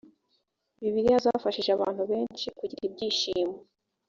bibiliya zafashije abantu benshi kugira ibyishimo.